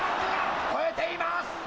超えています。